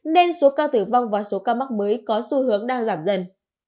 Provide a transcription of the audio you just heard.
nên số ca tử vong và số ca mắc mới có xu hướng đang giảm dần